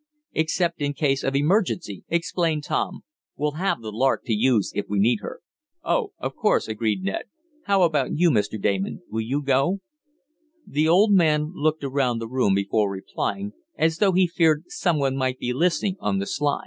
"Except in case of emergency," explained Tom. "We'll have the Lark to use if we need her." "Oh, of course," agreed Ned. "How about you, Mr. Damon? Will you go?" The odd man looked around the room before replying, as though he feared someone might be listening on the sly.